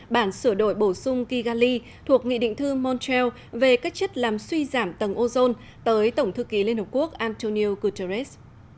bản sửa đổi bổ sung kigali thuộc nghị định thư montreal về các chất làm suy giảm tầng ozone tới tổng thư ký liên hợp quốc antonio guterres